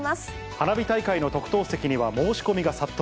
花火大会の特等席には申し込みが殺到。